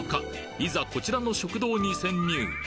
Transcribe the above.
いざこちらの食堂に潜入！